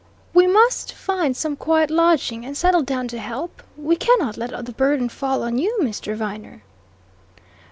We must find some quiet lodging, and settle down to help. We cannot let all the burden fall on you, Mr. Viner."